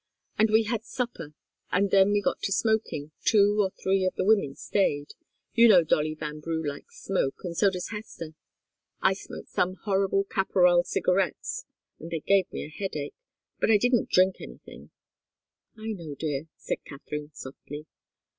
And we had supper, and then we got to smoking two or three of the women stayed. You know Dolly Vanbrugh likes smoke, and so does Hester. I smoked some horrible Caporal cigarettes, and they gave me a headache. But I didn't drink anything " "I know, dear," said Katharine, softly.